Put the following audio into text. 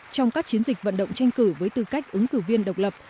trong các chiến dịch vận động tranh cử với tư cách ứng cử viên độc lập